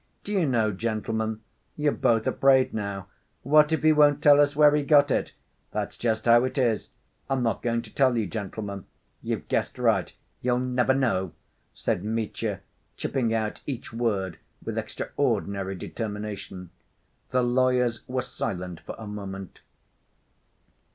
Do you know, gentlemen, you're both afraid now 'what if he won't tell us where he got it?' That's just how it is. I'm not going to tell you, gentlemen. You've guessed right. You'll never know," said Mitya, chipping out each word with extraordinary determination. The lawyers were silent for a moment.